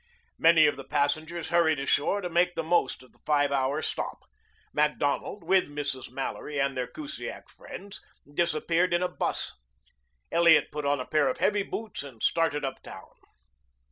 Many of the passengers hurried ashore to make the most of the five hour stop. Macdonald, with Mrs. Mallory and their Kusiak friends, disappeared in a bus. Elliot put on a pair of heavy boots and started uptown.